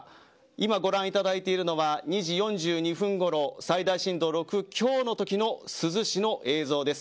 今、ご覧いただいているのは２時４２分ごろ最大震度６強のときの珠洲市の映像です。